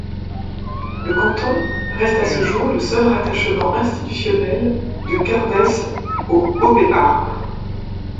Le canton reste à ce jour le seul rattachement institutionnel de Cardesse au Haut-Béarn.